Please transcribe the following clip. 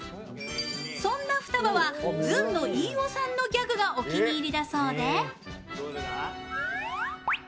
そんなフタバはずんの飯尾さんのギャグがお気に入りだそうで。